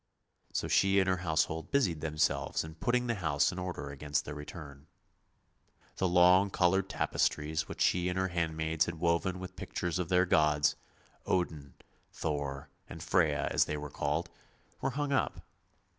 So she and her household busied themselves in putting the house in order against their return. The long coloured tapestries which she and her handmaids had woven with pictures of their gods — Odin, Thor, and Freya as they were called — were hung up.